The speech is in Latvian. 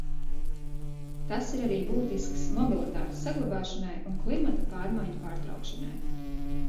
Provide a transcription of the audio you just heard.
Tas ir arī būtisks mobilitātes saglabāšanai un klimata pārmaiņu pārtraukšanai.